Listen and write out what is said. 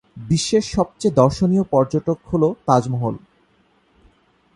বিশ্বের সবচেয়ে দর্শনীয় পর্যটক হল তাজমহল।